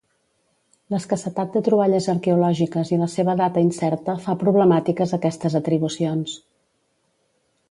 L'escassetat de troballes arqueològiques i la seva data incerta fa problemàtiques aquestes atribucions.